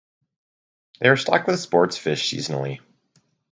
They are stocked with sports fish seasonally.